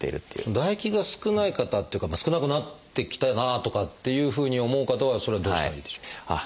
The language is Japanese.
唾液が少ない方っていうか少なくなってきたなとかっていうふうに思う方はそれはどうしたらいいでしょう？